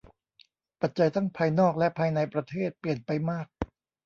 ปัจจัยทั้งภายนอกและภายในประเทศเปลี่ยนไปมาก